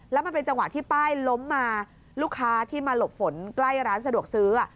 แล้วมันเป็นจังหวะที่ป้ายล้มมาลูกค้าที่มาหลบฝนใกล้ร้านสะดวกซื้อ